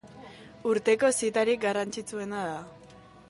Urteko zitarik garrantzitsuena da.